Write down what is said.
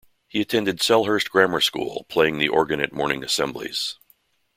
He attended Selhurst Grammar School, playing the organ at morning assemblies.